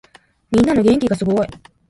みんなの元気がすごい。